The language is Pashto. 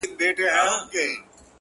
مخته چي دښمن راسي تېره نه وي!!